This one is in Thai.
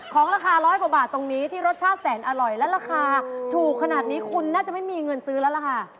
ของราคาร้อยกว่าบาทตรงนี้ที่รสชาติแสนอร่อยและราคาถูกขนาดนี้คุณน่าจะไม่มีเงินซื้อแล้วล่ะค่ะ